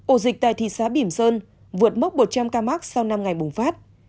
ổ dịch tại thị xã bỉm sơn vượt mốc một trăm linh ca mắc sau năm ngày bùng phát